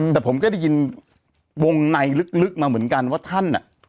แต่ผมก็ได้ยินวงในลึกมาเหมือนกันว่าท่านอ่ะ